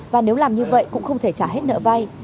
và nếu làm như vậy cũng không thể trả hết nợ vay